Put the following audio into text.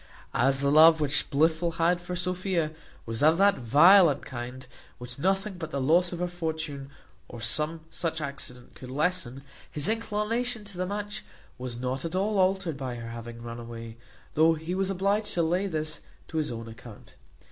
As the love which Blifil had for Sophia was of that violent kind, which nothing but the loss of her fortune, or some such accident, could lessen, his inclination to the match was not at all altered by her having run away, though he was obliged to lay this to his own account.